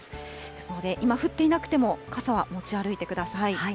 ですので今降っていなくても、傘は持ち歩いてください。